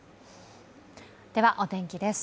ではお天気です。